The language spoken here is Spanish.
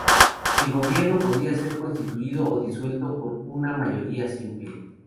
El gobierno podía ser constituido o disuelto por una mayoría simple.